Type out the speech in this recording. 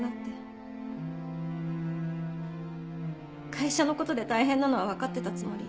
会社の事で大変なのはわかってたつもり。